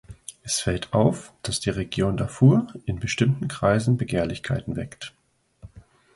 Es fällt auf, dass die Region Darfur in bestimmten Kreisen Begehrlichkeiten weckt.